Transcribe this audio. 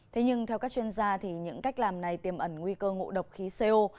thế nhưng theo các chuyên gia thì những cách làm này tiềm ẩn nguy cơ ngộ độc khí co